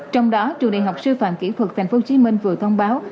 trong đó trường đại học sư phạm kỹ thuật tp hcm vừa thông báo